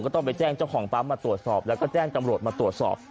ต้องไปแจ้งเจ้าของปั๊มมาตรวจสอบแล้วก็แจ้งตำรวจมาตรวจสอบ